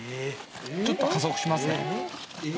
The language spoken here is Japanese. ちょっと加速しますね